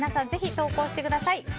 ぜひ投稿してください。